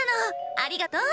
ありがとう！